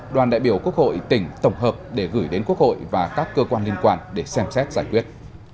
đoàn đại biểu quốc hội tỉnh tổng hợp để gửi đến quốc hội và các cơ quan liên quan để xem xét giải quyết